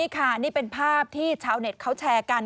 นี่ค่ะนี่เป็นภาพที่ชาวเน็ตเขาแชร์กัน